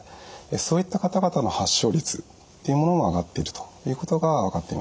そういった方々の発症率っていうものも上がっているということが分かっています。